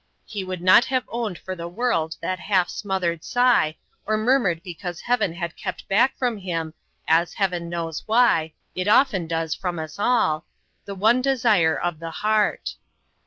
He would not have owned for the world that half smothered sigh, or murmured because Heaven had kept back from him as, Heaven knows why, it often does from us all! the one desire of the heart.